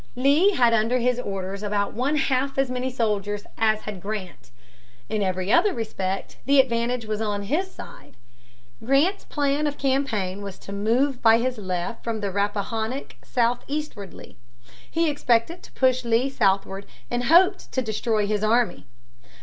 Lee had under his orders about one half as many soldiers as had Grant. In every other respect the advantage was on his side. Grant's plan of campaign was to move by his left from the Rappahannock southeastwardly. He expected to push Lee southward and hoped to destroy his army.